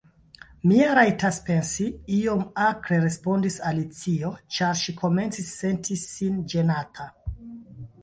"Mi ja rajtas pensi," iom akre respondis Alicio, ĉar ŝi komencis senti sin ĝenata.